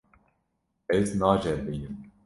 Ez naceribînim.